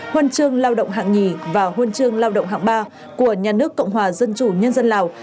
huân chương lao động hạng nhì và huân chương lao động hạng ba của nhà nước cộng hòa dân chủ nhân dân lào